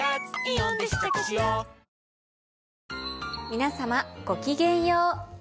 皆様ごきげんよう。